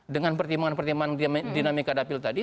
dengan pertimbangan pertimbangan dinamika dapil tadi